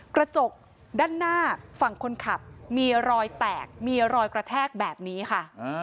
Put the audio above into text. กระจกด้านหน้าฝั่งคนขับมีรอยแตกมีรอยกระแทกแบบนี้ค่ะ